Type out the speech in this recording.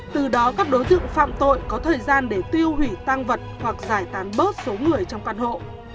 từ đó các đối tượng phạm tội có thời gian để tiêu hủy tăng vật hoặc giải tán bớt số người trong căn hộ